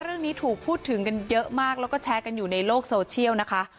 เรื่องนี้ถูกพูดถึงกันเยอะมากแล้วก็แชร์กันอยู่ในโลกโซเชียลนะคะ